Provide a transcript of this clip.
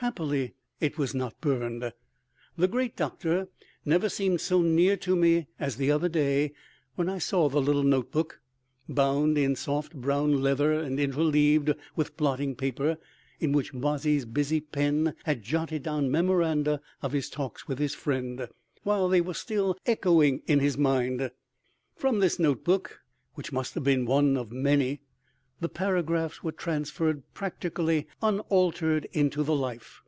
Happily it was not burned. The Great Doctor never seemed so near to me as the other day when I saw a little notebook, bound in soft brown leather and interleaved with blotting paper, in which Bozzy's busy pen had jotted down memoranda of his talks with his friend, while they were still echoing in his mind. From this notebook (which must have been one of many) the paragraphs were transferred practically unaltered into the Life.